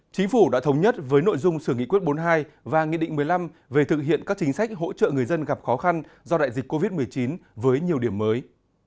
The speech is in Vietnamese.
chính phủ đã thống nhất với nội dung sửa nghị quyết bốn mươi hai và nghị định một mươi năm về thực hiện các chính sách hỗ trợ người dân gặp khó khăn do đại dịch covid một mươi chín với nhiều điểm mới